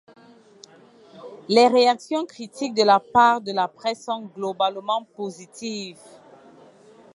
Les réactions critiques de la part de la presse sont globalement positives.